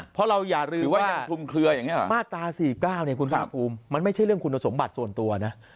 เพราะเราอย่ารืมว่าม้าตา๔๙คุณค่านคลุมมันไม่ใช่เรื่องคุณสมบัติส่วนตัว